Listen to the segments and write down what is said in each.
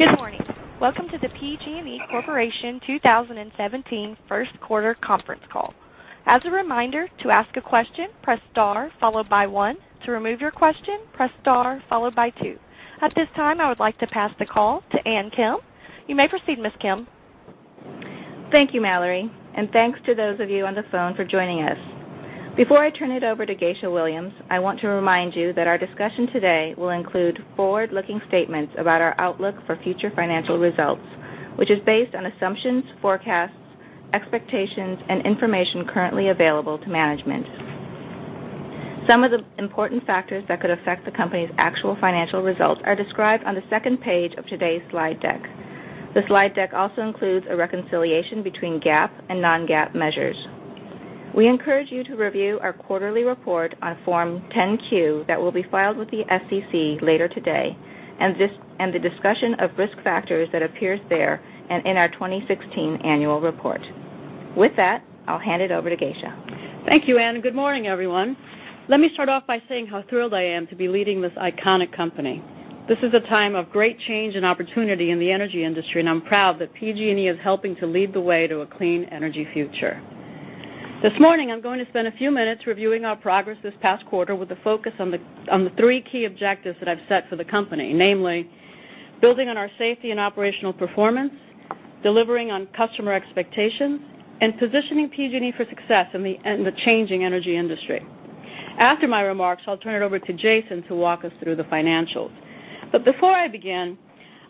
Good morning. Welcome to the PG&E Corporation 2017 first quarter conference call. As a reminder, to ask a question, press star followed by one. To remove your question, press star followed by two. At this time, I would like to pass the call to Ann Kim. You may proceed, Ms. Kim. Thank you, Mallory. Thanks to those of you on the phone for joining us. Before I turn it over to Geisha Williams, I want to remind you that our discussion today will include forward-looking statements about our outlook for future financial results, which is based on assumptions, forecasts, expectations, and information currently available to management. Some of the important factors that could affect the company's actual financial results are described on the second page of today's slide deck. The slide deck also includes a reconciliation between GAAP and non-GAAP measures. We encourage you to review our quarterly report on Form 10-Q that will be filed with the SEC later today. The discussion of risk factors that appears there and in our 2016 annual report. With that, I'll hand it over to Geisha. Thank you, Ann. Good morning, everyone. Let me start off by saying how thrilled I am to be leading this iconic company. This is a time of great change and opportunity in the energy industry. I'm proud that PG&E is helping to lead the way to a clean energy future. This morning, I'm going to spend a few minutes reviewing our progress this past quarter with a focus on the three key objectives that I've set for the company, namely building on our safety and operational performance, delivering on customer expectations, and positioning PG&E for success in the changing energy industry. After my remarks, I'll turn it over to Jason to walk us through the financials. Before I begin,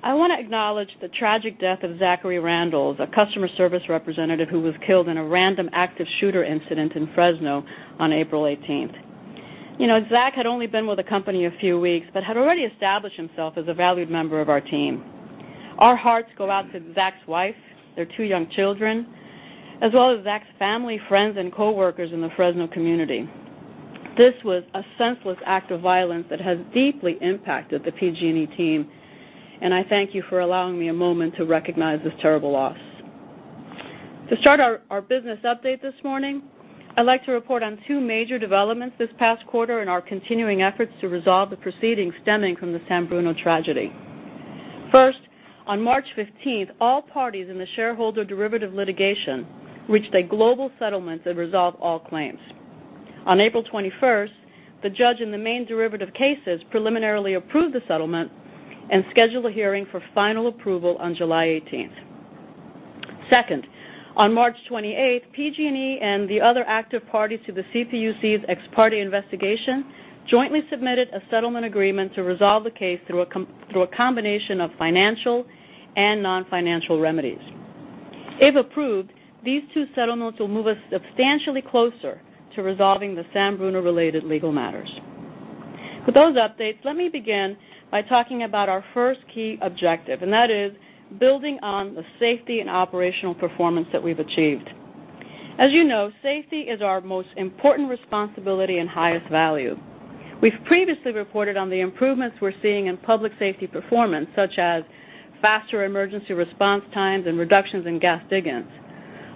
I want to acknowledge the tragic death of Zachary Randalls, a customer service representative who was killed in a random active shooter incident in Fresno on April 18th. Zach had only been with the company a few weeks but had already established himself as a valued member of our team. Our hearts go out to Zach's wife, their two young children, as well as Zach's family, friends, and coworkers in the Fresno community. This was a senseless act of violence that has deeply impacted the PG&E team. I thank you for allowing me a moment to recognize this terrible loss. To start our business update this morning, I'd like to report on two major developments this past quarter in our continuing efforts to resolve the proceedings stemming from the San Bruno tragedy. First, on March 15th, all parties in the shareholder derivative litigation reached a global settlement that resolved all claims. On April 21st, the judge in the main derivative cases preliminarily approved the settlement and scheduled a hearing for final approval on July 18th. Second, on March 28th, PG&E and the other active parties to the CPUC's ex parte investigation jointly submitted a settlement agreement to resolve the case through a combination of financial and non-financial remedies. If approved, these two settlements will move us substantially closer to resolving the San Bruno-related legal matters. With those updates, let me begin by talking about our first key objective, and that is building on the safety and operational performance that we've achieved. As you know, safety is our most important responsibility and highest value. We've previously reported on the improvements we're seeing in public safety performance, such as faster emergency response times and reductions in gas dig-ins.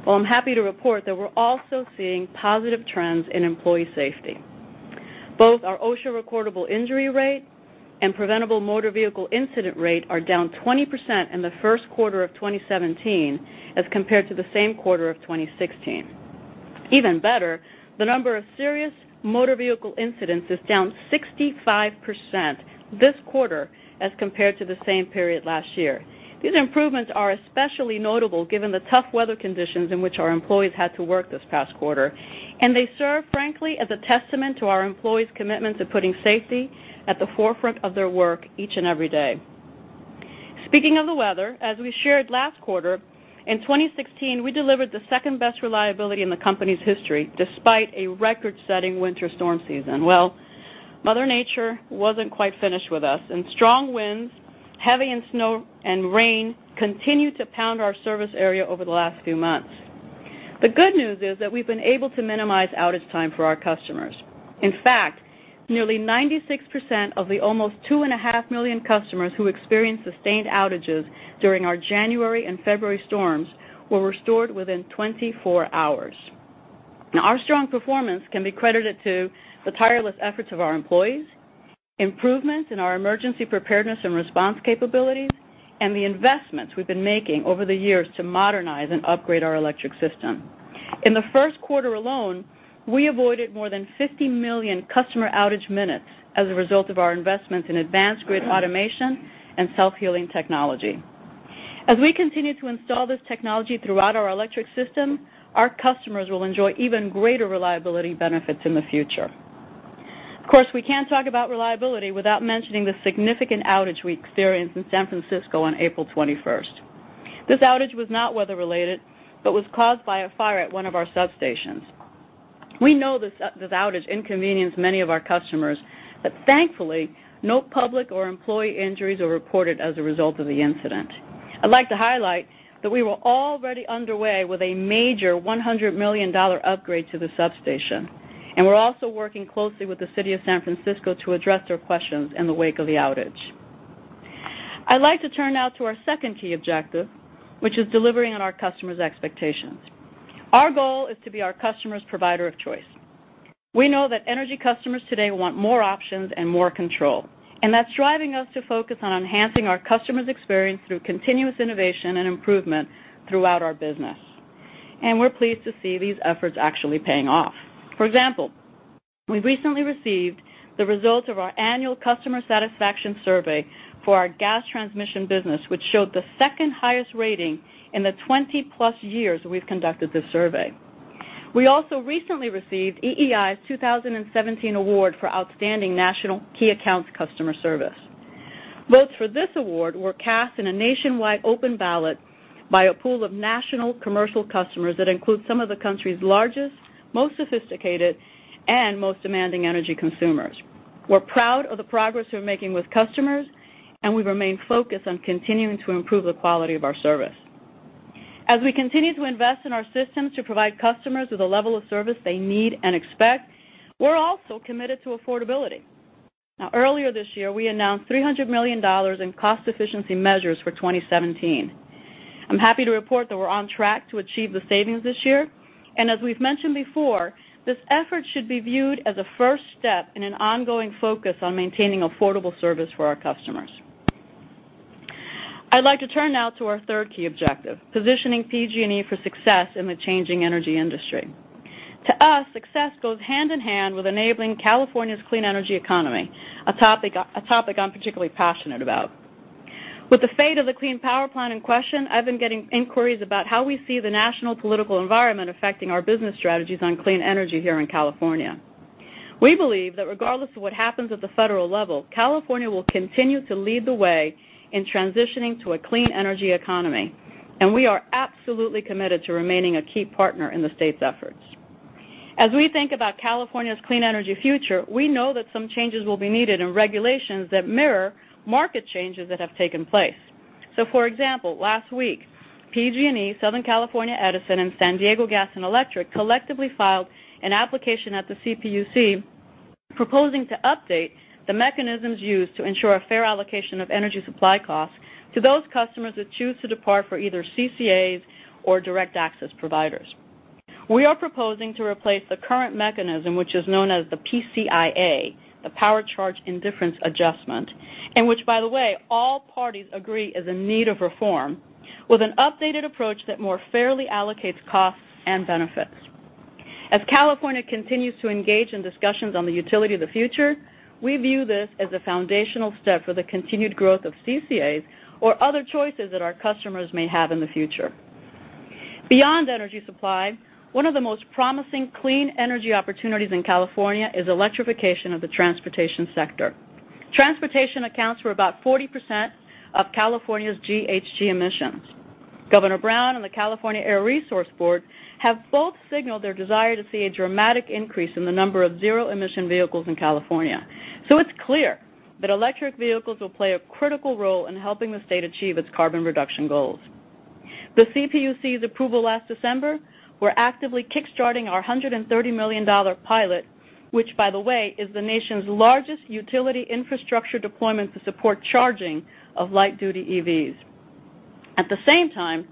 Well, I'm happy to report that we're also seeing positive trends in employee safety. Both our OSHA recordable injury rate and preventable motor vehicle incident rate are down 20% in the first quarter of 2017 as compared to the same quarter of 2016. Even better, the number of serious motor vehicle incidents is down 65% this quarter as compared to the same period last year. These improvements are especially notable given the tough weather conditions in which our employees had to work this past quarter, and they serve frankly as a testament to our employees' commitment to putting safety at the forefront of their work each and every day. Speaking of the weather, as we shared last quarter, in 2016, we delivered the second-best reliability in the company's history, despite a record-setting winter storm season. Well, Mother Nature wasn't quite finished with us, and strong winds, heavy snow, and rain continued to pound our service area over the last few months. The good news is that we've been able to minimize outage time for our customers. In fact, nearly 96% of the almost two and a half million customers who experienced sustained outages during our January and February storms were restored within 24 hours. Our strong performance can be credited to the tireless efforts of our employees, improvements in our emergency preparedness and response capabilities, and the investments we've been making over the years to modernize and upgrade our electric system. In the first quarter alone, we avoided more than 50 million customer outage minutes as a result of our investments in advanced grid automation and self-healing technology. As we continue to install this technology throughout our electric system, our customers will enjoy even greater reliability benefits in the future. Of course, we can't talk about reliability without mentioning the significant outage we experienced in San Francisco on April 21st. This outage was not weather-related but was caused by a fire at one of our substations. We know this outage inconvenienced many of our customers, but thankfully, no public or employee injuries were reported as a result of the incident. I'd like to highlight that we were already underway with a major $100 million upgrade to the substation, and we're also working closely with the city of San Francisco to address their questions in the wake of the outage. I'd like to turn now to our second key objective, which is delivering on our customers' expectations. Our goal is to be our customers' provider of choice. We know that energy customers today want more options and more control, and that's driving us to focus on enhancing our customers' experience through continuous innovation and improvement throughout our business. We're pleased to see these efforts actually paying off. For example, we recently received the results of our annual customer satisfaction survey for our gas transmission business, which showed the second highest rating in the 20-plus years we've conducted this survey. We also recently received EEI's 2017 award for outstanding national key accounts customer service. Votes for this award were cast in a nationwide open ballot by a pool of national commercial customers that include some of the country's largest, most sophisticated, and most demanding energy consumers. We're proud of the progress we're making with customers, and we remain focused on continuing to improve the quality of our service. As we continue to invest in our systems to provide customers with a level of service they need and expect, we're also committed to affordability. Earlier this year, we announced $300 million in cost efficiency measures for 2017. I'm happy to report that we're on track to achieve the savings this year. As we've mentioned before, this effort should be viewed as a first step in an ongoing focus on maintaining affordable service for our customers. I'd like to turn now to our third key objective, positioning PG&E for success in the changing energy industry. To us, success goes hand-in-hand with enabling California's clean energy economy, a topic I'm particularly passionate about. With the fate of the Clean Power Plan in question, I've been getting inquiries about how we see the national political environment affecting our business strategies on clean energy here in California. We believe that regardless of what happens at the federal level, California will continue to lead the way in transitioning to a clean energy economy, and we are absolutely committed to remaining a key partner in the state's efforts. As we think about California's clean energy future, we know that some changes will be needed in regulations that mirror market changes that have taken place. For example, last week, PG&E, Southern California Edison, and San Diego Gas & Electric collectively filed an application at the CPUC proposing to update the mechanisms used to ensure a fair allocation of energy supply costs to those customers that choose to depart for either CCAs or direct access providers. We are proposing to replace the current mechanism, which is known as the PCIA, the Power Charge Indifference Adjustment, and which by the way, all parties agree is in need of reform, with an updated approach that more fairly allocates costs and benefits. As California continues to engage in discussions on the utility of the future, we view this as a foundational step for the continued growth of CCAs or other choices that our customers may have in the future. Beyond energy supply, one of the most promising clean energy opportunities in California is electrification of the transportation sector. Transportation accounts for about 40% of California's GHG emissions. Governor Brown and the California Air Resources Board have both signaled their desire to see a dramatic increase in the number of zero-emission vehicles in California. It's clear that electric vehicles will play a critical role in helping the state achieve its carbon reduction goals. With CPUC's approval last December, we're actively kick-starting our $130 million pilot, which by the way, is the nation's largest utility infrastructure deployment to support charging of light-duty EVs. At the same time,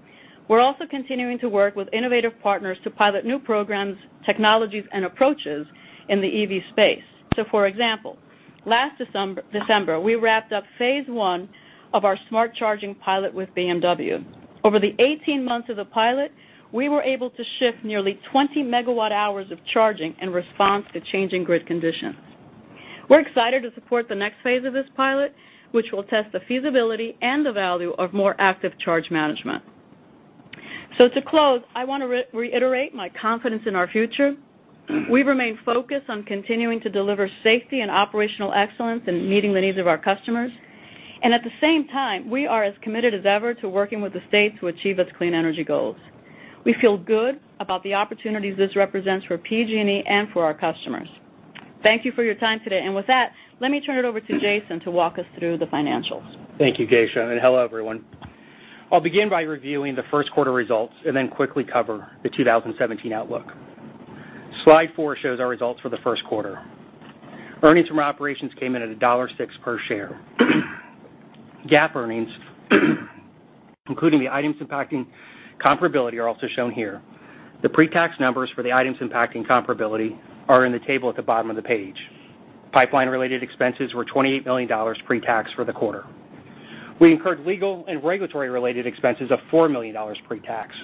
we're also continuing to work with innovative partners to pilot new programs, technologies, and approaches in the EV space. For example, last December, we wrapped up phase one of our smart charging pilot with BMW. Over the 18 months of the pilot, we were able to shift nearly 20 megawatt hours of charging in response to changing grid conditions. We're excited to support the next phase of this pilot, which will test the feasibility and the value of more active charge management. To close, I want to reiterate my confidence in our future. We remain focused on continuing to deliver safety and operational excellence and meeting the needs of our customers. At the same time, we are as committed as ever to working with the state to achieve its clean energy goals. We feel good about the opportunities this represents for PG&E and for our customers. Thank you for your time today. With that, let me turn it over to Jason to walk us through the financials. Thank you, Geisha, hello, everyone. I'll begin by reviewing the first quarter results and then quickly cover the 2017 outlook. Slide four shows our results for the first quarter. Earnings from our operations came in at $1.06 per share. GAAP earnings, including the items impacting comparability, are also shown here. The pre-tax numbers for the items impacting comparability are in the table at the bottom of the page. Pipeline-related expenses were $28 million pre-tax for the quarter. We incurred legal and regulatory-related expenses of $4 million pre-tax.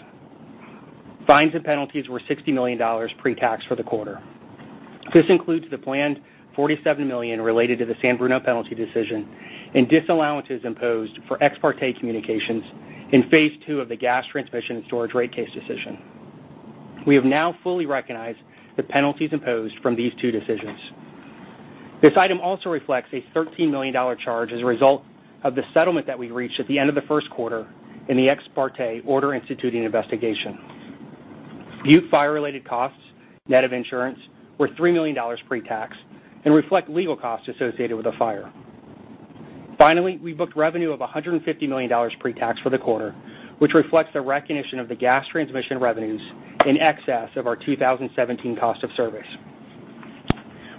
Fines and penalties were $60 million pre-tax for the quarter. This includes the planned $47 million related to the San Bruno penalty decision and disallowances imposed for ex parte communications in phase two of the gas transmission and storage rate case decision. We have now fully recognized the penalties imposed from these two decisions. This item also reflects a $13 million charge as a result of the settlement that we reached at the end of the first quarter in the ex parte order instituting investigation. Butte Fire-related costs, net of insurance, were $3 million pre-tax and reflect legal costs associated with the fire. Finally, we booked revenue of $150 million pre-tax for the quarter, which reflects the recognition of the gas transmission revenues in excess of our 2017 cost of service.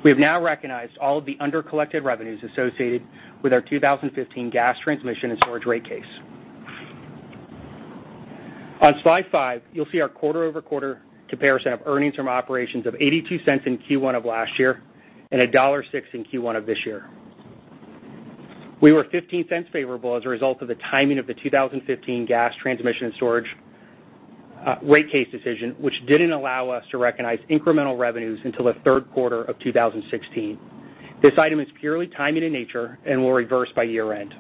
We have now recognized all of the under-collected revenues associated with our 2015 gas transmission and storage rate case. On slide five, you'll see our quarter-over-quarter comparison of earnings from operations of $0.82 in Q1 of last year and $1.06 in Q1 of this year. We were $0.15 favorable as a result of the timing of the 2015 gas transmission storage rate case decision, which didn't allow us to recognize incremental revenues until the third quarter of 2016. This item is purely timing in nature and will reverse by year-end.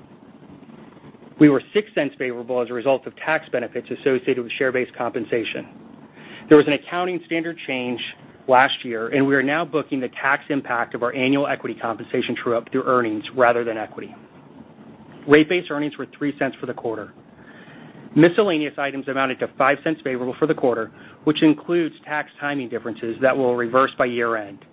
We were $0.06 favorable as a result of tax benefits associated with share-based compensation. There was an accounting standard change last year, and we are now booking the tax impact of our annual equity compensation true-up through earnings rather than equity. Rate-based earnings were $0.03 for the quarter. Miscellaneous items amounted to $0.05 favorable for the quarter, which includes tax timing differences that will reverse by year-end.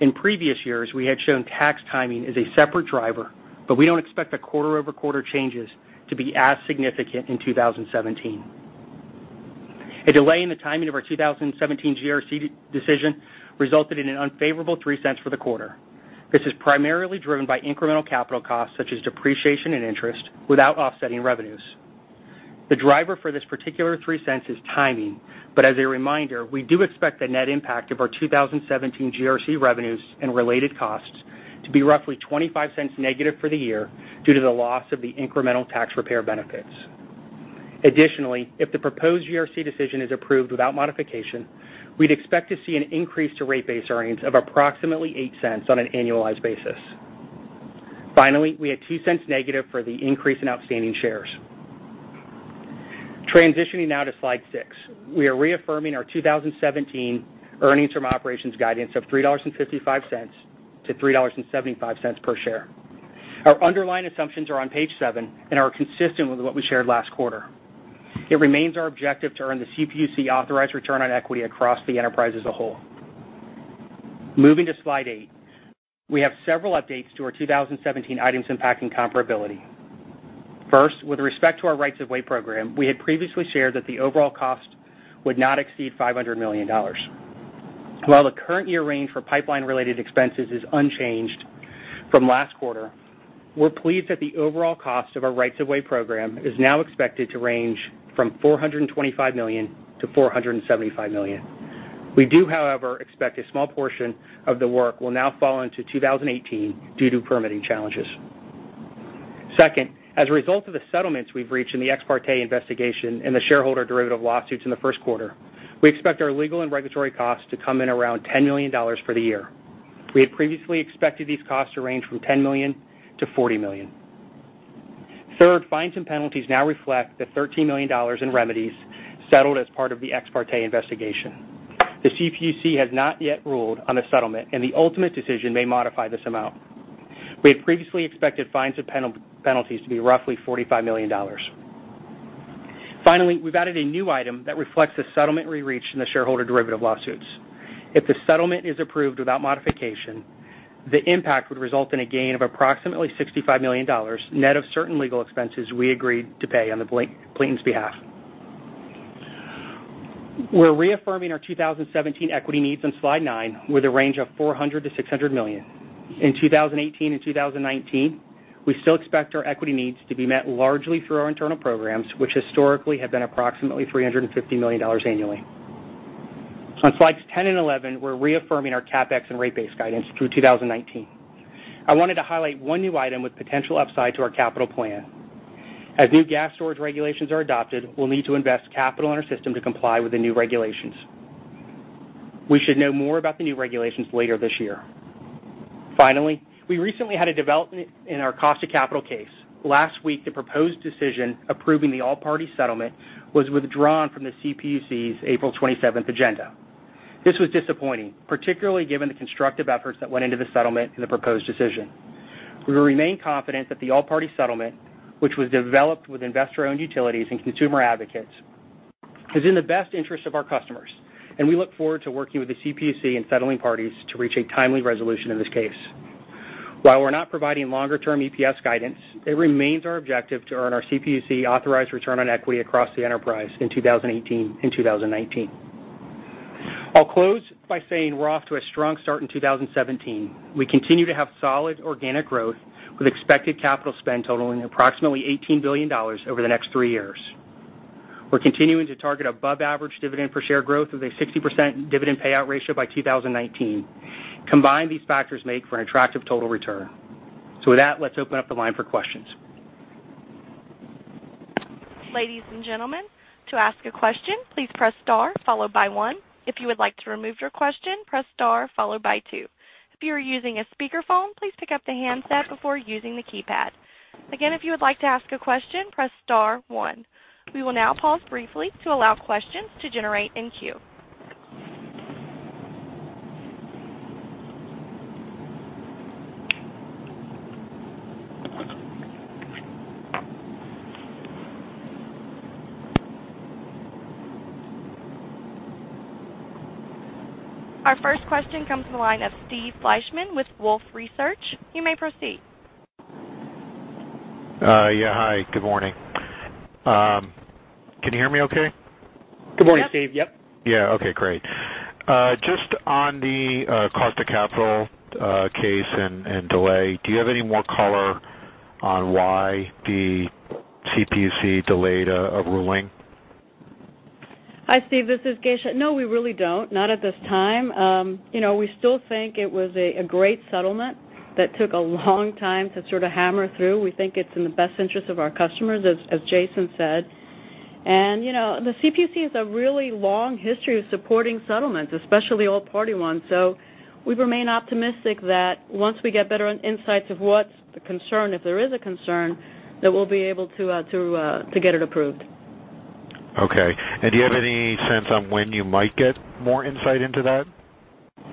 In previous years, we had shown tax timing as a separate driver, but we don't expect the quarter-over-quarter changes to be as significant in 2017. A delay in the timing of our 2017 GRC decision resulted in an unfavorable $0.03 for the quarter. This is primarily driven by incremental capital costs such as depreciation and interest without offsetting revenues. The driver for this particular $0.03 is timing, but as a reminder, we do expect the net impact of our 2017 GRC revenues and related costs to be roughly $0.25 negative for the year due to the loss of the incremental tax repair benefits. Additionally, if the proposed GRC decision is approved without modification, we'd expect to see an increase to rate-based earnings of approximately $0.08 on an annualized basis. Finally, we had $0.02 negative for the increase in outstanding shares. Transitioning now to slide six. We are reaffirming our 2017 earnings from operations guidance of $3.55 to $3.75 per share. Our underlying assumptions are on page seven and are consistent with what we shared last quarter. It remains our objective to earn the CPUC-authorized return on equity across the enterprise as a whole. Moving to slide eight, we have several updates to our 2017 items impacting comparability. First, with respect to our rights-of-way program, we had previously shared that the overall cost would not exceed $500 million. While the current year range for pipeline-related expenses is unchanged from last quarter, we're pleased that the overall cost of our rights-of-way program is now expected to range from $425 million-$475 million. We do, however, expect a small portion of the work will now fall into 2018 due to permitting challenges. Second, as a result of the settlements we've reached in the ex parte investigation and the shareholder derivative lawsuits in the first quarter, we expect our legal and regulatory costs to come in around $10 million for the year. We had previously expected these costs to range from $10 million-$40 million. Third, fines and penalties now reflect the $13 million in remedies settled as part of the ex parte investigation. The CPUC has not yet ruled on the settlement, and the ultimate decision may modify this amount. We had previously expected fines and penalties to be roughly $45 million. Finally, we've added a new item that reflects the settlement we reached in the shareholder derivative lawsuits. If the settlement is approved without modification, the impact would result in a gain of approximately $65 million, net of certain legal expenses we agreed to pay on the plaintiffs' behalf. We're reaffirming our 2017 equity needs on slide nine with a range of $400 million to $600 million. In 2018 and 2019, we still expect our equity needs to be met largely through our internal programs, which historically have been approximately $350 million annually. On slides 10 and 11, we're reaffirming our CapEx and rate-based guidance through 2019. I wanted to highlight one new item with potential upside to our capital plan. As new gas storage regulations are adopted, we'll need to invest capital in our system to comply with the new regulations. We should know more about the new regulations later this year. We recently had a development in our cost of capital case. Last week, the proposed decision approving the all-party settlement was withdrawn from the CPUC's April 27th agenda. This was disappointing, particularly given the constructive efforts that went into the settlement and the proposed decision. We remain confident that the all-party settlement, which was developed with investor-owned utilities and consumer advocates, is in the best interest of our customers. We look forward to working with the CPUC and settling parties to reach a timely resolution in this case. While we're not providing longer-term EPS guidance, it remains our objective to earn our CPUC-authorized return on equity across the enterprise in 2018 and 2019. I'll close by saying we're off to a strong start in 2017. We continue to have solid organic growth with expected capital spend totaling approximately $18 billion over the next three years. We're continuing to target above-average dividend per share growth with a 60% dividend payout ratio by 2019. Combined, these factors make for an attractive total return. With that, let's open up the line for questions. Ladies and gentlemen, to ask a question, please press star followed by one. If you would like to remove your question, press star followed by two. If you are using a speakerphone, please pick up the handset before using the keypad. Again, if you would like to ask a question, press star one. We will now pause briefly to allow questions to generate in queue. Our first question comes from the line of Steve Fleishman with Wolfe Research. You may proceed. Yeah, hi. Good morning. Can you hear me okay? Good morning, Steve. Yep. Yeah. Okay, great. Just on the cost of capital case and delay, do you have any more color on why the CPUC delayed a ruling? Hi, Steve, this is Geisha. No, we really don't, not at this time. We still think it was a great settlement that took a long time to sort of hammer through. We think it's in the best interest of our customers, as Jason said. The CPUC has a really long history of supporting settlements, especially all-party ones. We remain optimistic that once we get better insights of what's the concern, if there is a concern, that we'll be able to get it approved. Okay. Do you have any sense on when you might get more insight into that?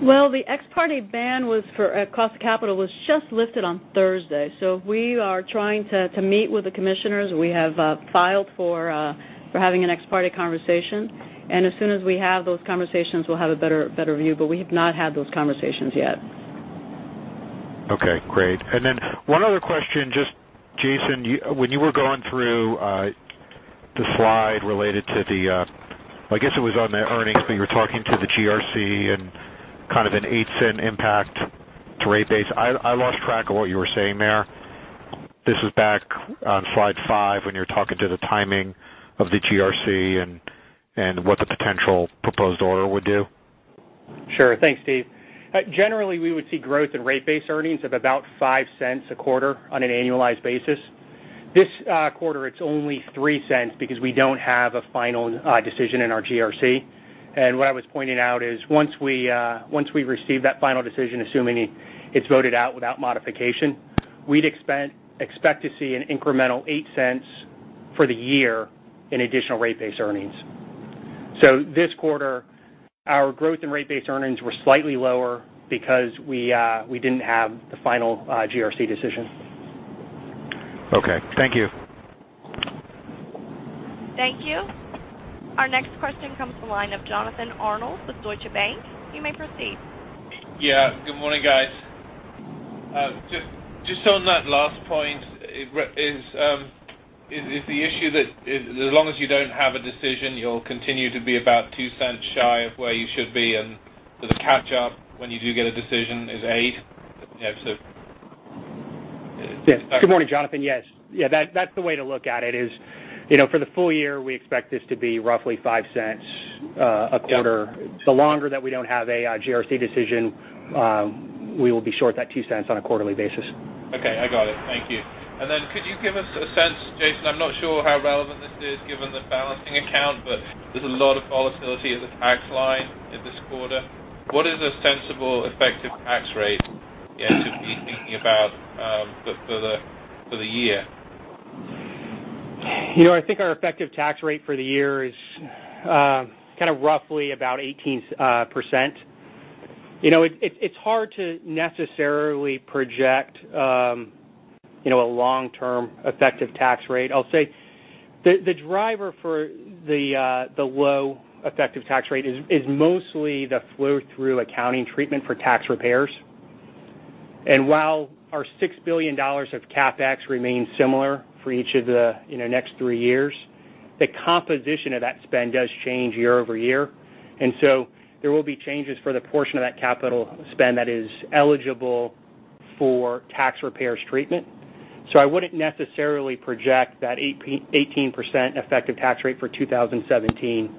Well, the ex parte ban for cost of capital was just lifted on Thursday, so we are trying to meet with the commissioners. We have filed for having an ex parte conversation, and as soon as we have those conversations, we'll have a better view. We have not had those conversations yet. Okay, great. Then one other question, Jason, when you were going through the slide related to the, I guess it was on the earnings, but you were talking to the GRC and kind of an $0.08 impact to rate base. I lost track of what you were saying there. This was back on slide five when you were talking to the timing of the GRC and what the potential proposed order would do. Sure. Thanks, Steve. Generally, we would see growth in rate base earnings of about $0.05 a quarter on an annualized basis. This quarter, it's only $0.03 because we don't have a final decision in our GRC. What I was pointing out is once we receive that final decision, assuming it's voted out without modification, we'd expect to see an incremental $0.08 for the year in additional rate base earnings. This quarter, our growth in rate base earnings were slightly lower because we didn't have the final GRC decision. Okay. Thank you. Thank you. Our next question comes from the line of Jonathan Arnold with Deutsche Bank. You may proceed. Good morning, guys. Just on that last point, is the issue that as long as you don't have a decision, you'll continue to be about $0.02 shy of where you should be, and the catch up when you do get a decision is $0.08? Good morning, Jonathan. That's the way to look at it is, for the full year, we expect this to be roughly $0.05 a quarter. Yeah. The longer that we don't have a GRC decision, we will be short that $0.02 on a quarterly basis. Okay, I got it. Thank you. Then could you give us a sense, Jason, I'm not sure how relevant this is given the balancing account, but there's a lot of volatility in the tax line in this quarter. What is a sensible effective tax rate to be thinking about for the year? I think our effective tax rate for the year is kind of roughly about 18%. It's hard to necessarily project a long-term effective tax rate. I'll say the driver for the low effective tax rate is mostly the flow-through accounting treatment for tax repairs. While our $6 billion of CapEx remains similar for each of the next three years, the composition of that spend does change year-over-year. There will be changes for the portion of that capital spend that is eligible for tax repairs treatment. I wouldn't necessarily project that 18% effective tax rate for 2017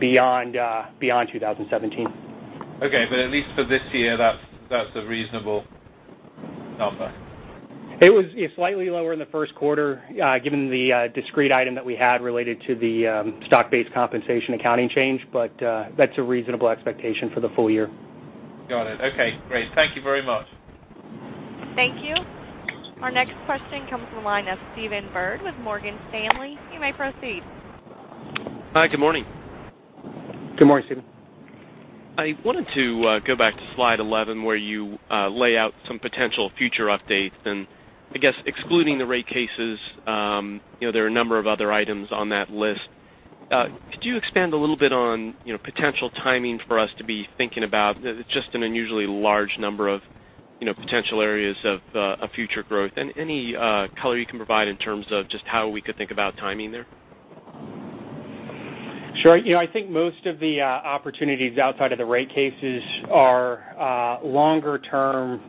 beyond 2017. Okay. At least for this year, that's a reasonable number. It was slightly lower in the first quarter given the discrete item that we had related to the stock-based compensation accounting change, but that's a reasonable expectation for the full year. Got it. Okay, great. Thank you very much. Thank you. Our next question comes from the line of Stephen Byrd with Morgan Stanley. You may proceed. Hi, good morning. Good morning, Stephen. I wanted to go back to slide 11, where you lay out some potential future updates. I guess excluding the rate cases, there are a number of other items on that list. Could you expand a little bit on potential timing for us to be thinking about just an unusually large number of potential areas of future growth? Any color you can provide in terms of just how we could think about timing there? Sure. I think most of the opportunities outside of the rate cases are longer term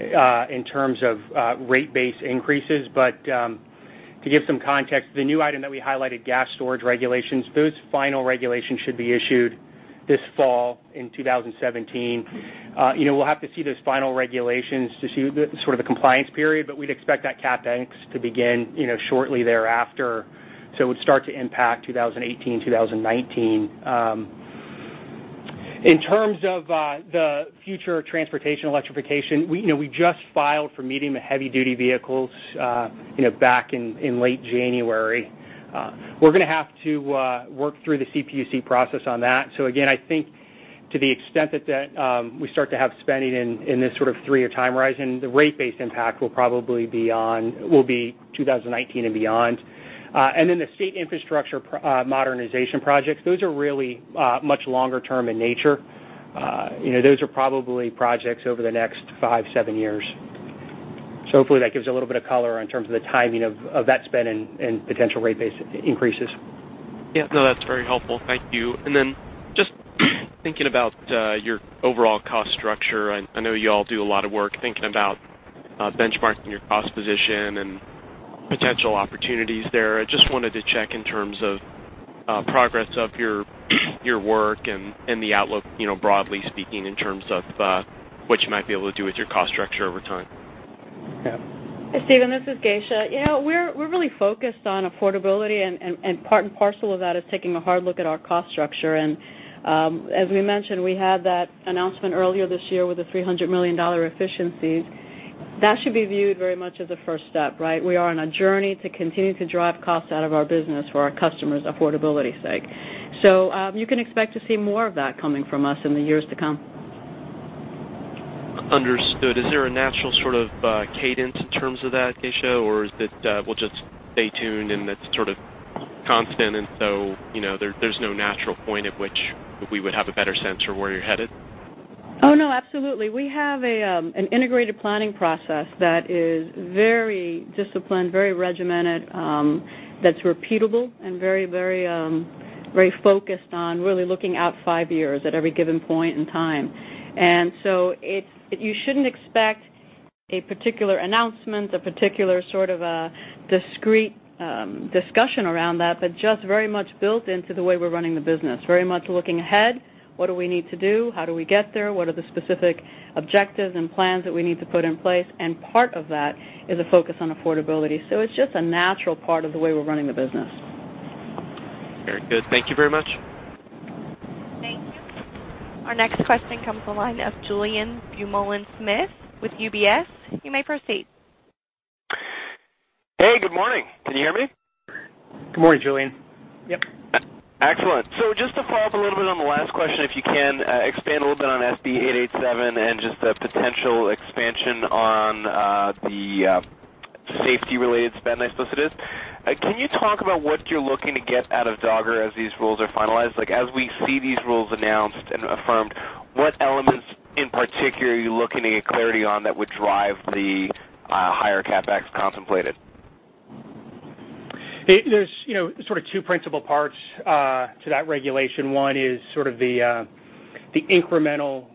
in terms of rate-based increases. To give some context, the new item that we highlighted, gas storage regulations, those final regulations should be issued this fall in 2017. We'll have to see those final regulations to see sort of the compliance period. We'd expect that CapEx to begin shortly thereafter, so it would start to impact 2018, 2019. In terms of the future transportation electrification, we just filed for medium and heavy-duty vehicles back in late January. We're going to have to work through the CPUC process on that. Again, I think to the extent that we start to have spending in this sort of three-year time horizon, the rate-based impact will probably be 2019 and beyond. Then the state infrastructure modernization projects, those are really much longer term in nature. Those are probably projects over the next five, seven years. Hopefully that gives a little bit of color in terms of the timing of that spend and potential rate base increases. Yeah. No, that's very helpful. Thank you. Then just thinking about your overall cost structure, I know you all do a lot of work thinking about benchmarking your cost position and potential opportunities there. I just wanted to check in terms of progress of your work and the outlook, broadly speaking, in terms of what you might be able to do with your cost structure over time. Yeah. Stephen, this is Geisha. We're really focused on affordability and part and parcel of that is taking a hard look at our cost structure. As we mentioned, we had that announcement earlier this year with the $300 million efficiencies. That should be viewed very much as a first step, right? We are on a journey to continue to drive costs out of our business for our customers' affordability sake. You can expect to see more of that coming from us in the years to come. Understood. Is there a natural sort of cadence in terms of that, Geisha? Or is it we'll just stay tuned and that's sort of constant and so, there's no natural point at which we would have a better sense for where you're headed? Oh, no, absolutely. We have an integrated planning process that is very disciplined, very regimented, that's repeatable, and very focused on really looking out five years at every given point in time. You shouldn't expect a particular announcement, a particular sort of a discrete discussion around that, but just very much built into the way we're running the business. Very much looking ahead, what do we need to do? How do we get there? What are the specific objectives and plans that we need to put in place? Part of that is a focus on affordability. It's just a natural part of the way we're running the business. Very good. Thank you very much. Thank you. Our next question comes from the line of Julien Dumoulin-Smith with UBS. You may proceed. Hey, good morning. Can you hear me? Good morning, Julien. Yep. Excellent. Just to follow up a little bit on the last question, if you can, expand a little bit on SB 887 and just the potential expansion on the safety-related spend, I suppose it is. Can you talk about what you're looking to get out of DOGGR as these rules are finalized? Like, as we see these rules announced and affirmed, what elements in particular are you looking to get clarity on that would drive the higher CapEx contemplated? There's sort of two principal parts to that regulation. One is sort of the incremental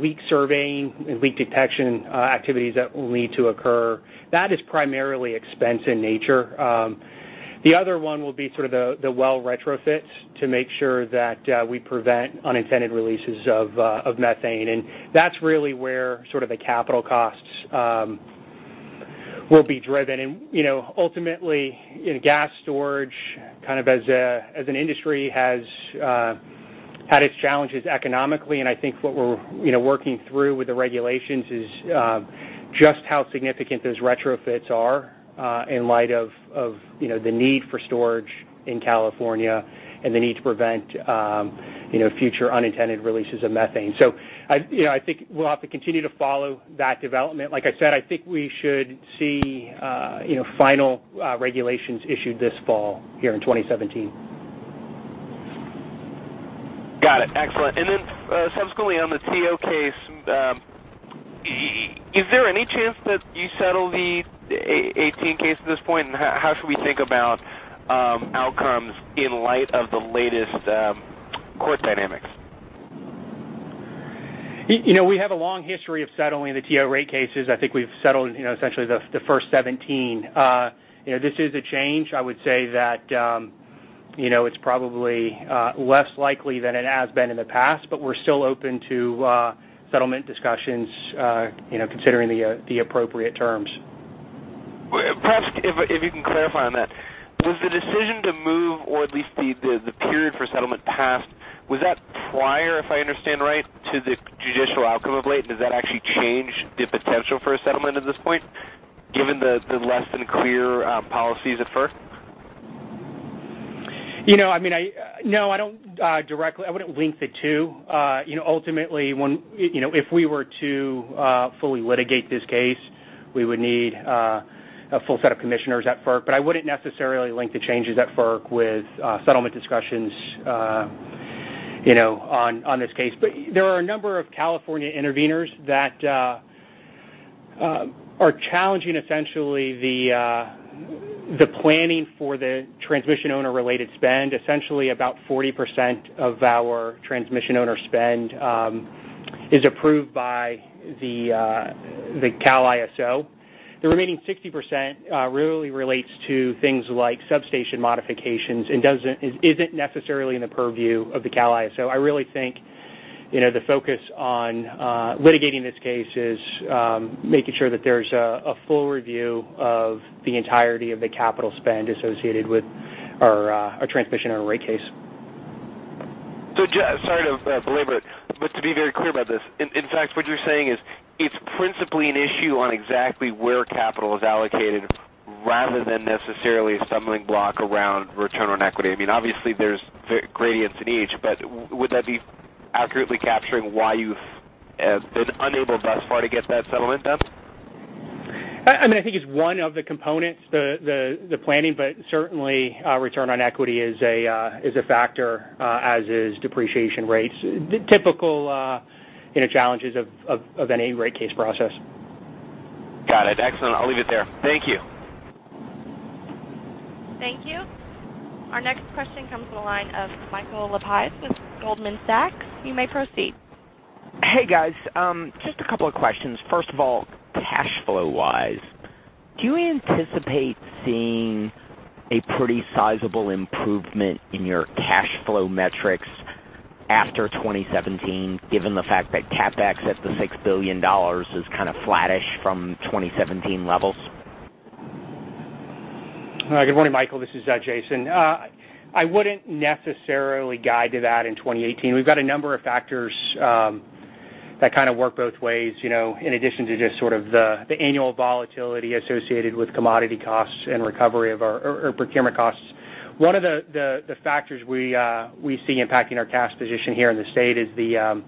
leak surveying and leak detection activities that will need to occur. That is primarily expense in nature. The other one will be sort of the well retrofits to make sure that we prevent unintended releases of methane. That's really where sort of the capital costs will be driven. Ultimately, gas storage, kind of as an industry, has had its challenges economically, and I think what we're working through with the regulations is just how significant those retrofits are in light of the need for storage in California and the need to prevent future unintended releases of methane. I think we'll have to continue to follow that development. Like I said, I think we should see final regulations issued this fall, here in 2017. Got it. Excellent. Subsequently on the TO case, is there any chance that you settle the 18 case at this point? How should we think about outcomes in light of the latest court dynamics? We have a long history of settling the TO rate cases. I think we've settled essentially the first 17. This is a change. I would say that it's probably less likely than it has been in the past, we're still open to settlement discussions considering the appropriate terms. Perhaps if you can clarify on that. Was the decision to move, or at least the period for settlement passed, was that prior, if I understand right, to the judicial outcome of late? Does that actually change the potential for a settlement at this point, given the less than clear policies at FERC? No, I wouldn't link the two. Ultimately, if we were to fully litigate this case, we would need a full set of commissioners at FERC, I wouldn't necessarily link the changes at FERC with settlement discussions on this case. There are a number of California interveners that are challenging, essentially, the planning for the transmission owner related spend. Essentially, about 40% of our transmission owner spend is approved by the California ISO. The remaining 60% really relates to things like substation modifications and isn't necessarily in the purview of the California ISO. I really think the focus on litigating this case is making sure that there's a full review of the entirety of the capital spend associated with our transmission owner rate case. Sorry to belabor it, to be very clear about this, in fact, what you're saying is it's principally an issue on exactly where capital is allocated rather than necessarily a stumbling block around return on equity. Obviously, there's gradients in each, but would that be accurately capturing why you've been unable thus far to get that settlement done? I think it's one of the components, the planning, but certainly return on equity is a factor, as is depreciation rates. Typical challenges of any rate case process. Got it. Excellent. I'll leave it there. Thank you. Thank you. Our next question comes from the line of Michael Lapides with Goldman Sachs. You may proceed. Hey, guys. Just a couple of questions. First of all, cash flow-wise, do you anticipate seeing a pretty sizable improvement in your cash flow metrics after 2017, given the fact that CapEx at the $6 billion is kind of flattish from 2017 levels? Good morning, Michael. This is Jason. I wouldn't necessarily guide to that in 2018. We've got a number of factors that kind of work both ways, in addition to just sort of the annual volatility associated with commodity costs and recovery of our procurement costs. One of the factors we see impacting our cash position here in the state is the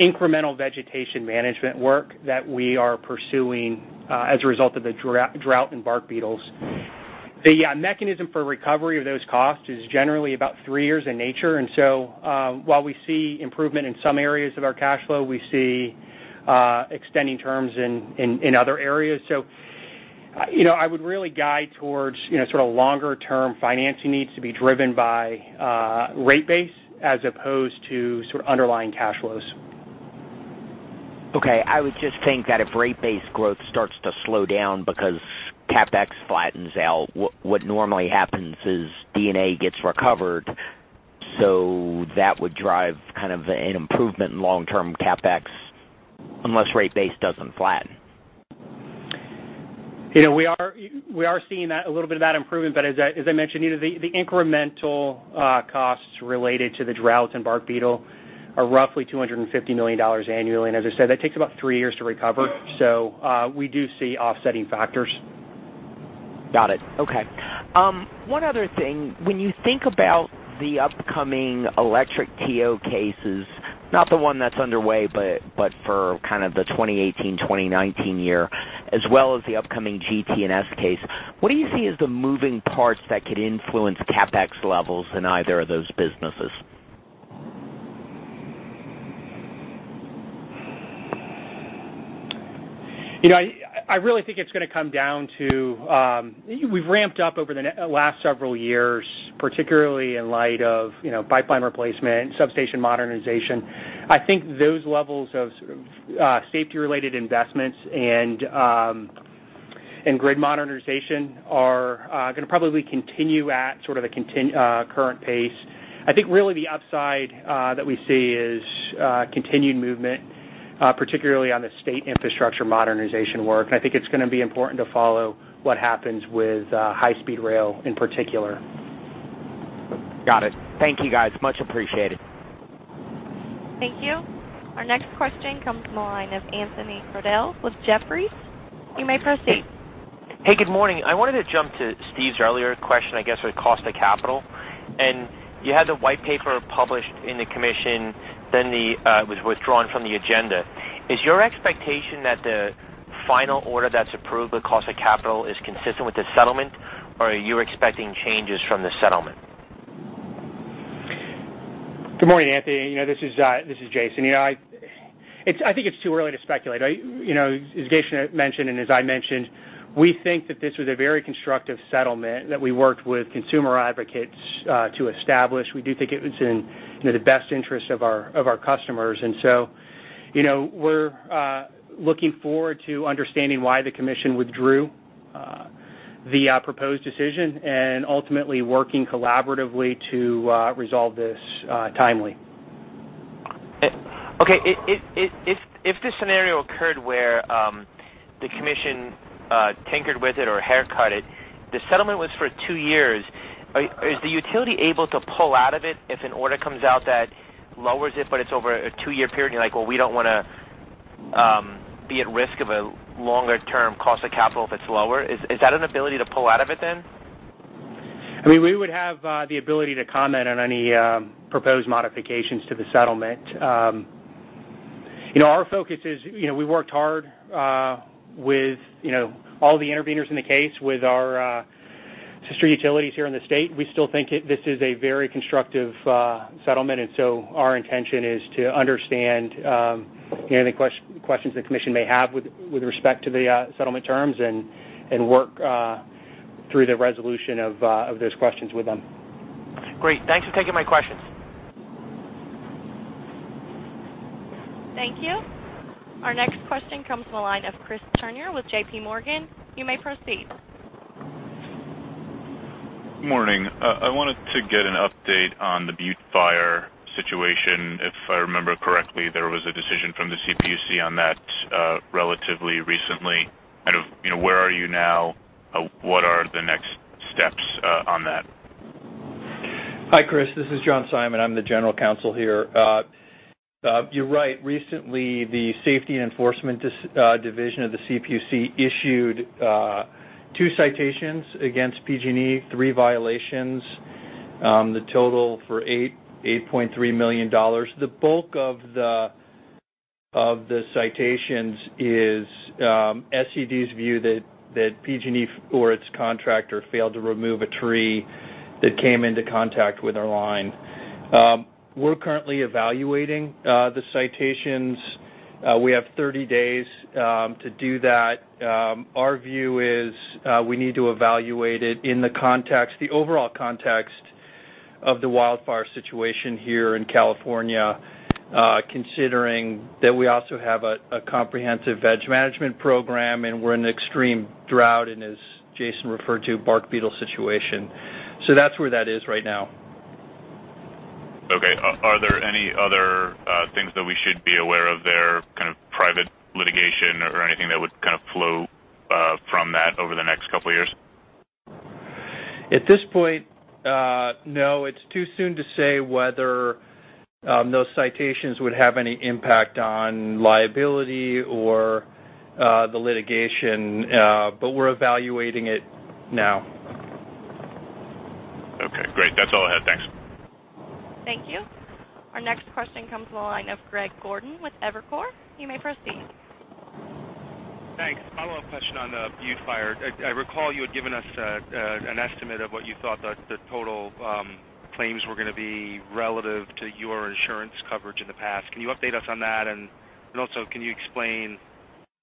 incremental vegetation management work that we are pursuing as a result of the drought and bark beetles. The mechanism for recovery of those costs is generally about three years in nature. While we see improvement in some areas of our cash flow, we see extending terms in other areas. I would really guide towards sort of longer-term financing needs to be driven by rate base as opposed to sort of underlying cash flows. Okay. I would just think that if rate base growth starts to slow down because CapEx flattens out, what normally happens is D&A gets recovered, so that would drive kind of an improvement in long-term CapEx unless rate base doesn't flatten. We are seeing a little bit of that improvement, but as I mentioned, the incremental costs related to the droughts and bark beetle are roughly $250 million annually. As I said, that takes about three years to recover. We do see offsetting factors. Got it. Okay. One other thing. When you think about the upcoming electric TO cases, not the one that's underway, but for kind of the 2018, 2019 year, as well as the upcoming GT&S case, what do you see as the moving parts that could influence CapEx levels in either of those businesses? I really think it's going to come down to, we've ramped up over the last several years, particularly in light of pipeline replacement, substation modernization. I think those levels of safety-related investments and grid modernization are going to probably continue at sort of the current pace. I think really the upside that we see is continued movement, particularly on the state infrastructure modernization work. I think it's going to be important to follow what happens with high-speed rail in particular. Got it. Thank you, guys. Much appreciated. Thank you. Our next question comes from the line of Anthony Crowdell with Jefferies. You may proceed. Good morning. I wanted to jump to Steve's earlier question, I guess, with cost of capital. You had the white paper published in the commission, then it was withdrawn from the agenda. Is your expectation that the final order that's approved with cost of capital is consistent with the settlement, or are you expecting changes from the settlement? Good morning, Anthony. This is Jason. I think it's too early to speculate. As Geisha mentioned, as I mentioned, we think that this was a very constructive settlement that we worked with consumer advocates to establish. We do think it was in the best interest of our customers. We're looking forward to understanding why the commission withdrew the proposed decision and ultimately working collaboratively to resolve this timely. Okay. If this scenario occurred where the commission tinkered with it or haircut it, the settlement was for 2 years. Is the utility able to pull out of it if an order comes out that lowers it but it's over a 2-year period, and you're like, "Well, we don't want to be at risk of a longer-term cost of capital if it's lower." Is that an ability to pull out of it then? We would have the ability to comment on any proposed modifications to the settlement. Our focus is we worked hard with all the interveners in the case with our sister utilities here in the state. We still think this is a very constructive settlement, our intention is to understand any questions the commission may have with respect to the settlement terms and work through the resolution of those questions with them. Great. Thanks for taking my questions. Thank you. Our next question comes from the line of Chris Turnure with JPMorgan. You may proceed. Morning. I wanted to get an update on the Butte Fire situation. If I remember correctly, there was a decision from the CPUC on that relatively recently. Where are you now? What are the next steps on that? Hi, Chris. This is John Simon. I'm the general counsel here. You're right. Recently, the Safety and Enforcement Division of the CPUC issued two citations against PG&E, three violations, the total for $8.3 million. The bulk of the citations is SED's view that PG&E or its contractor failed to remove a tree That came into contact with our line. We're currently evaluating the citations. We have 30 days to do that. Our view is we need to evaluate it in the overall context of the wildfire situation here in California, considering that we also have a comprehensive veg management program, and we're in extreme drought, and as Jason referred to, bark beetle situation. That's where that is right now. Okay. Are there any other things that we should be aware of there, kind of private litigation or anything that would kind of flow from that over the next couple of years? At this point, no. It's too soon to say whether those citations would have any impact on liability or the litigation, but we're evaluating it now. Okay, great. That's all I have. Thanks. Thank you. Our next question comes from the line of Greg Gordon with Evercore. You may proceed. Thanks. A follow-up question on the Butte Fire. I recall you had given us an estimate of what you thought the total claims were going to be relative to your insurance coverage in the past. Can you update us on that? Also can you explain,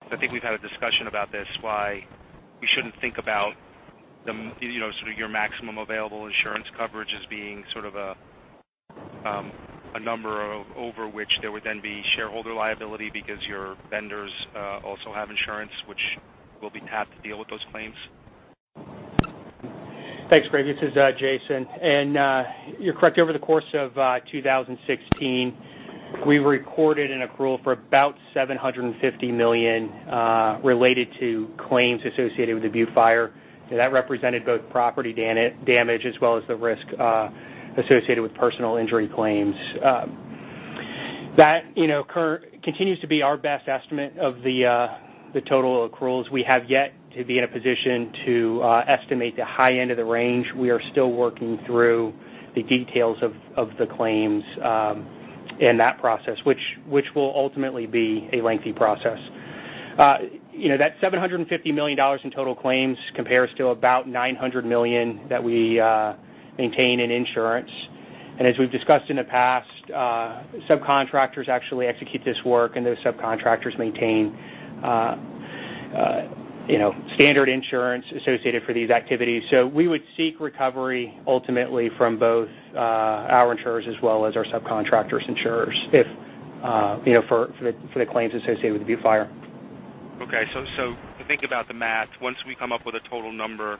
I think we've had a discussion about this, why we shouldn't think about sort of your maximum available insurance coverage as being sort of a number over which there would then be shareholder liability because your vendors also have insurance which will be tapped to deal with those claims? Thanks, Greg. This is Jason. You're correct. Over the course of 2016, we recorded an accrual for about $750 million related to claims associated with the Butte Fire. That represented both property damage as well as the risk associated with personal injury claims. That continues to be our best estimate of the total accruals. We have yet to be in a position to estimate the high end of the range. We are still working through the details of the claims in that process, which will ultimately be a lengthy process. That $750 million in total claims compares to about $900 million that we maintain in insurance. As we've discussed in the past, subcontractors actually execute this work, and those subcontractors maintain standard insurance associated for these activities. We would seek recovery ultimately from both our insurers as well as our subcontractors' insurers for the claims associated with the Butte Fire. Okay. To think about the math, once we come up with a total number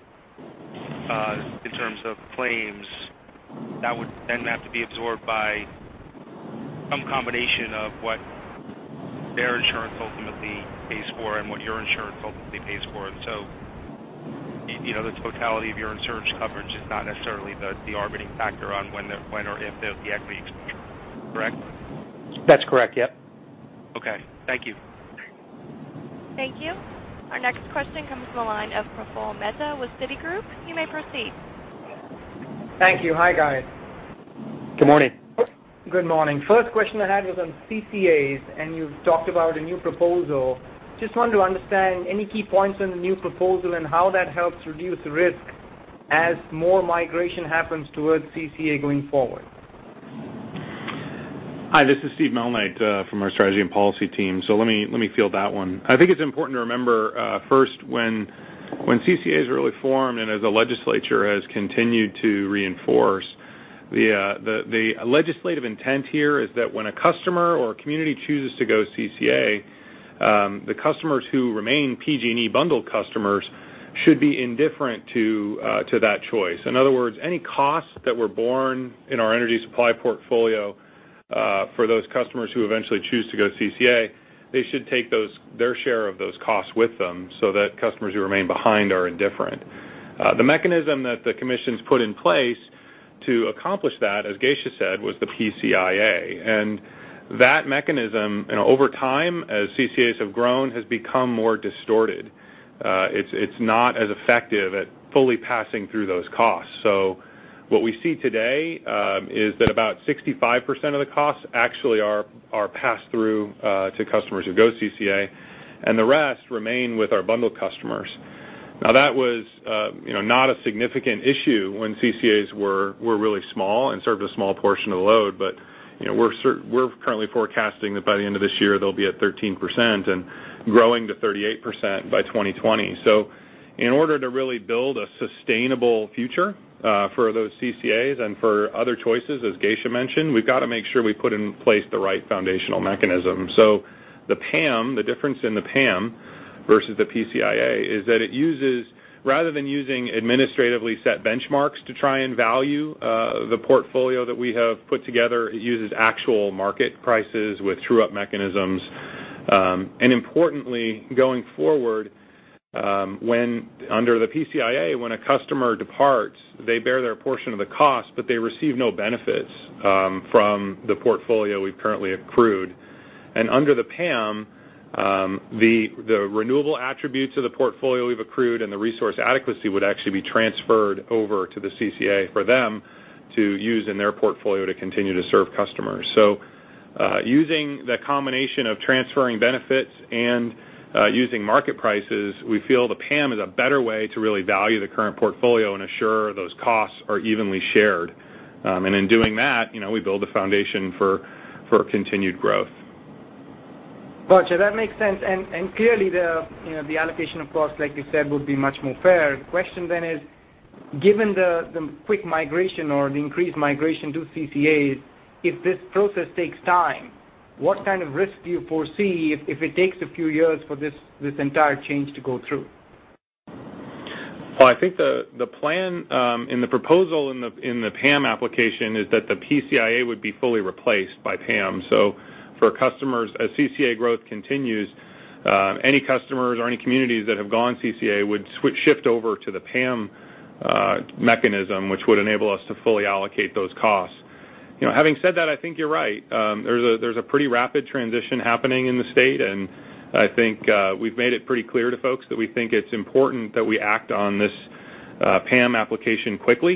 in terms of claims, that would then have to be absorbed by some combination of what their insurance ultimately pays for and what your insurance ultimately pays for. This totality of your insurance coverage is not necessarily the arbitrating factor on when or if there's the equity, correct? That's correct. Yep. Okay. Thank you. Thank you. Our next question comes from the line of Praful Mehta with Citigroup. You may proceed. Thank you. Hi, guys. Good morning. Good morning. First question I had was on CCAs. You've talked about a new proposal. I just wanted to understand any key points on the new proposal and how that helps reduce risk as more migration happens towards CCA going forward. Hi, this is Steve Malnight from our strategy and policy team. Let me field that one. I think it's important to remember, first, when CCAs really formed as the legislature has continued to reinforce, the legislative intent here is that when a customer or a community chooses to go CCA, the customers who remain PG&E bundle customers should be indifferent to that choice. In other words, any costs that were borne in our energy supply portfolio for those customers who eventually choose to go CCA, they should take their share of those costs with them so that customers who remain behind are indifferent. The mechanism that the Commission's put in place to accomplish that, as Geisha said, was the PCIA. That mechanism, over time, as CCAs have grown, has become more distorted. It's not as effective at fully passing through those costs. What we see today is that about 65% of the costs actually are passed through to customers who go CCA, and the rest remain with our bundled customers. That was not a significant issue when CCAs were really small and served a small portion of the load. We're currently forecasting that by the end of this year, they'll be at 13% and growing to 38% by 2020. In order to really build a sustainable future for those CCAs and for other choices, as Geisha mentioned, we've got to make sure we put in place the right foundational mechanism. The difference in the PAM versus the PCIA is that it uses, rather than using administratively set benchmarks to try and value the portfolio that we have put together, it uses actual market prices with true-up mechanisms. Importantly, going forward, under the PCIA, when a customer departs, they bear their portion of the cost, but they receive no benefits from the portfolio we've currently accrued. Under the PAM, the renewable attributes of the portfolio we've accrued and the resource adequacy would actually be transferred over to the CCA for them to use in their portfolio to continue to serve customers. Using the combination of transferring benefits and using market prices, we feel the PAM is a better way to really value the current portfolio and assure those costs are evenly shared. In doing that, we build a foundation for continued growth. Got you. That makes sense. Clearly, the allocation of costs, like you said, would be much more fair. Question then is, given the quick migration or the increased migration to CCAs, if this process takes time, what kind of risk do you foresee if it takes a few years for this entire change to go through? I think the plan in the proposal in the PAM application is that the PCIA would be fully replaced by PAM. For customers, as CCA growth continues, any customers or any communities that have gone CCA would shift over to the PAM mechanism, which would enable us to fully allocate those costs. Having said that, I think you're right. There's a pretty rapid transition happening in the state, and I think we've made it pretty clear to folks that we think it's important that we act on this PAM application quickly,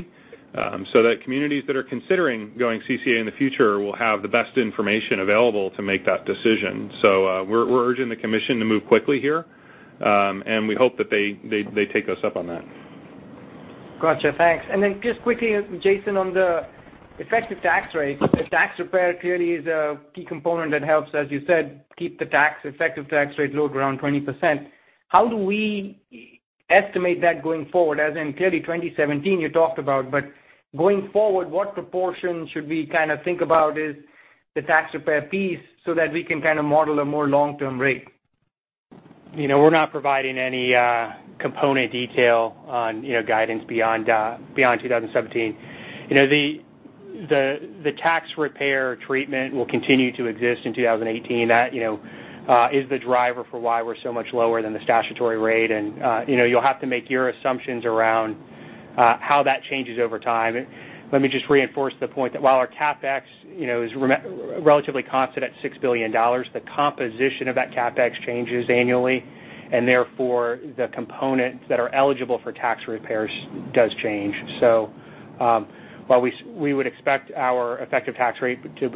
so that communities that are considering going CCA in the future will have the best information available to make that decision. We're urging the commission to move quickly here, and we hope that they take us up on that. Got you. Thanks. Then just quickly, Jason, on the effective tax rate, the tax repair clearly is a key component that helps, as you said, keep the effective tax rate load around 20%. How do we estimate that going forward? As in clearly 2017 you talked about, going forward, what proportion should we think about as the tax repair piece so that we can kind of model a more long-term rate? We're not providing any component detail on guidance beyond 2017. The tax repair treatment will continue to exist in 2018. That is the driver for why we're so much lower than the statutory rate, you'll have to make your assumptions around how that changes over time. Let me just reinforce the point that while our CapEx is relatively constant at $6 billion, the composition of that CapEx changes annually, therefore, the components that are eligible for tax repairs does change. While we would expect our effective tax rate to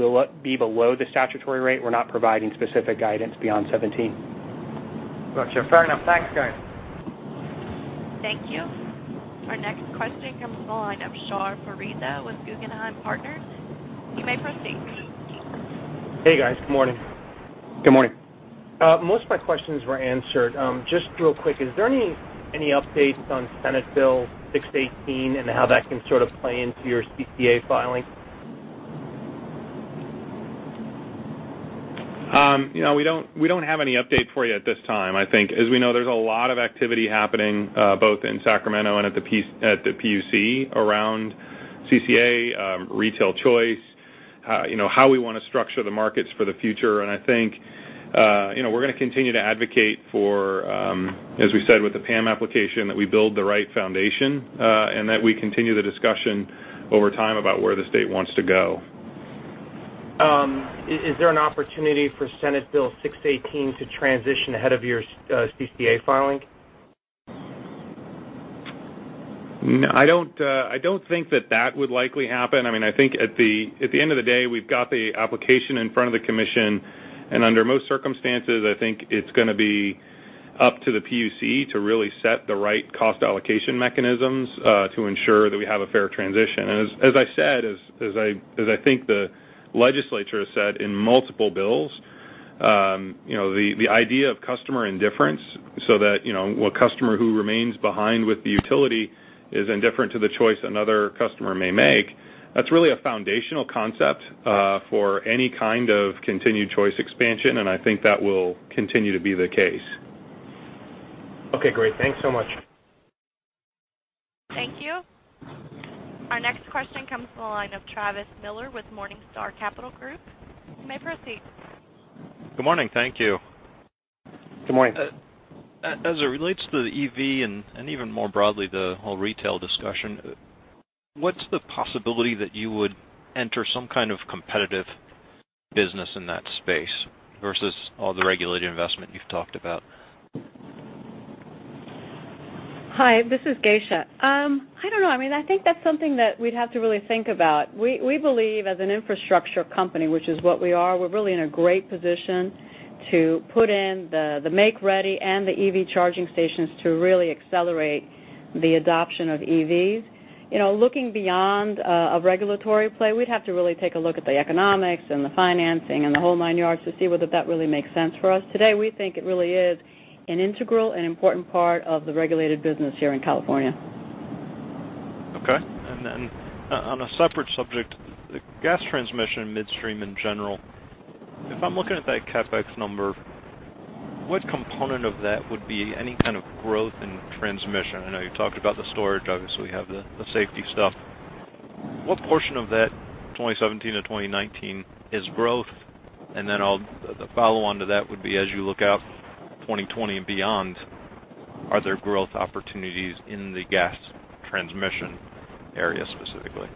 be below the statutory rate, we're not providing specific guidance beyond 2017. Got you. Fair enough. Thanks, guys. Thank you. Our next question comes on the line of Shar Pourreza with Guggenheim Partners. You may proceed. Hey, guys. Good morning. Good morning. Most of my questions were answered. Just real quick, is there any updates on Senate Bill 618 and how that can sort of play into your CCA filing? We don't have any update for you at this time. I think, as we know, there's a lot of activity happening both in Sacramento and at the PUC around CCA, retail choice, how we want to structure the markets for the future. I think we're going to continue to advocate for, as we said with the PAM application, that we build the right foundation, and that we continue the discussion over time about where the state wants to go. Is there an opportunity for Senate Bill 618 to transition ahead of your CCA filing? I don't think that that would likely happen. I think at the end of the day, we've got the application in front of the commission, under most circumstances, I think it's going to be up to the PUC to really set the right cost allocation mechanisms to ensure that we have a fair transition. As I said, as I think the legislature has said in multiple bills, the idea of customer indifference so that a customer who remains behind with the utility is indifferent to the choice another customer may make, that's really a foundational concept for any kind of continued choice expansion, and I think that will continue to be the case. Okay, great. Thanks so much. Thank you. Our next question comes from the line of Travis Miller with Morningstar. You may proceed. Good morning. Thank you. Good morning. As it relates to the EV and even more broadly, the whole retail discussion, what's the possibility that you would enter some kind of competitive business in that space versus all the regulated investment you've talked about? Hi, this is Geisha. I don't know. I think that's something that we'd have to really think about. We believe as an infrastructure company, which is what we are, we're really in a great position to put in the make-ready and the EV charging stations to really accelerate the adoption of EVs. Looking beyond a regulatory play, we'd have to really take a look at the economics and the financing and the whole nine yards to see whether that really makes sense for us. Today, we think it really is an integral and important part of the regulated business here in California. On a separate subject, gas transmission midstream in general. If I'm looking at that CapEx number, what component of that would be any kind of growth in transmission? I know you talked about the storage. Obviously, we have the safety stuff. What portion of that 2017 to 2019 is growth? The follow-on to that would be, as you look out 2020 and beyond, are there growth opportunities in the gas transmission area specifically?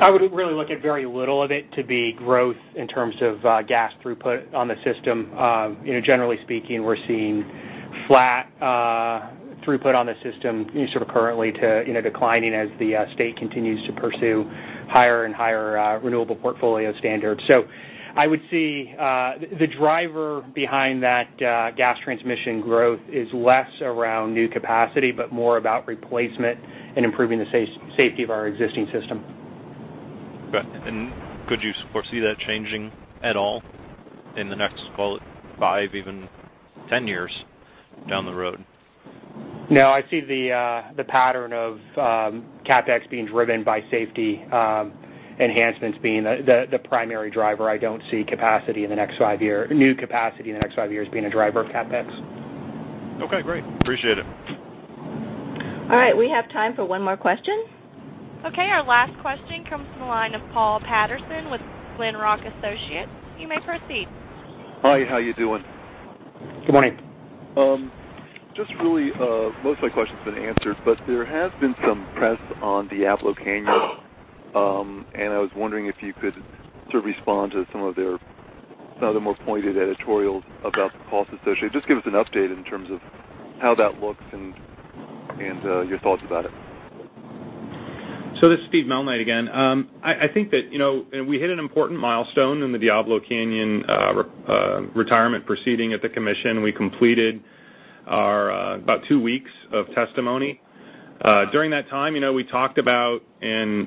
I would really look at very little of it to be growth in terms of gas throughput on the system. Generally speaking, we're seeing flat throughput on the system currently declining as the state continues to pursue higher and higher renewable portfolio standards. I would see the driver behind that gas transmission growth is less around new capacity, but more about replacement and improving the safety of our existing system. Right. Could you foresee that changing at all in the next, call it five, even 10 years down the road? No, I see the pattern of CapEx being driven by safety enhancements being the primary driver. I don't see new capacity in the next five years being a driver of CapEx. Okay, great. Appreciate it. All right. We have time for one more question. Okay, our last question comes from the line of Paul Patterson with Glenrock Associates. You may proceed. Hi, how you doing? Good morning. Just really, most of my question's been answered, There has been some press on Diablo Canyon, and I was wondering if you could sort of respond to some of the more pointed editorials about the cost associated. Just give us an update in terms of how that looks and your thoughts about it. This is Steve Malnight again. I think that we hit an important milestone in the Diablo Canyon retirement proceeding at the Commission. We completed about 2 weeks of testimony. During that time, we talked about and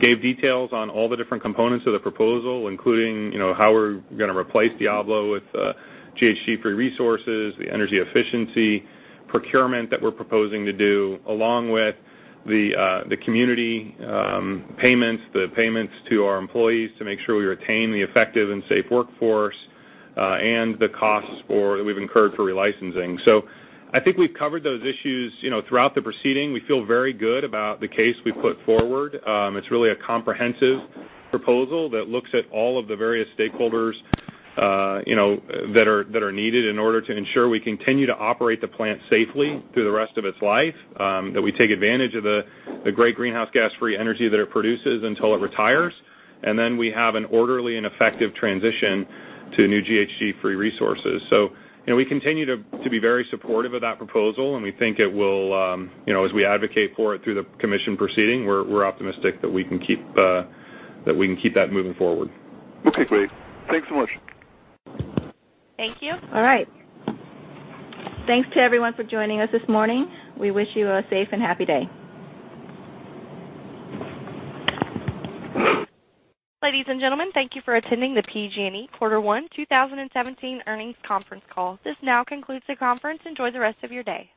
gave details on all the different components of the proposal, including how we're going to replace Diablo with GHG-free resources, the energy efficiency procurement that we're proposing to do, along with the community payments, the payments to our employees to make sure we retain the effective and safe workforce, and the costs that we've incurred for relicensing. I think we've covered those issues throughout the proceeding. We feel very good about the case we put forward. It's really a comprehensive proposal that looks at all of the various stakeholders that are needed in order to ensure we continue to operate the plant safely through the rest of its life, that we take advantage of the great greenhouse gas-free energy that it produces until it retires, and then we have an orderly and effective transition to new GHG-free resources. We continue to be very supportive of that proposal, and we think it will, as we advocate for it through the Commission proceeding, we're optimistic that we can keep that moving forward. Okay, great. Thanks so much. Thank you. All right. Thanks to everyone for joining us this morning. We wish you a safe and happy day. Ladies and gentlemen, thank you for attending the PG&E Quarter one 2017 earnings conference call. This now concludes the conference. Enjoy the rest of your day.